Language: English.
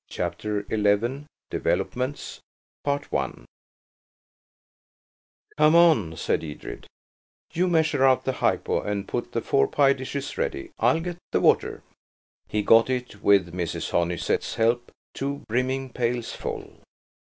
CHAPTER XI DEVELOPMENTS "COME on," said Edred, "you measure out the hypo and put the four pie dishes ready. I'll get the water." He got it, with Mrs. Honeysett's help–two brimming pails full.